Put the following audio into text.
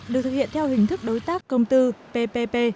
được thực hiện theo hình thức đối tác công tư ppp